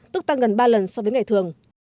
tức tăng gần ba lần so với ngày thường